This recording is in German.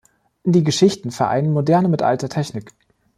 Die Geschichten vereinen moderne mit alter Technik.